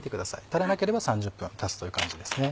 足らなければ３０分足すという感じですね。